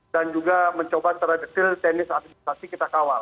dan juga mencoba secara detail teknis administrasi kita kawal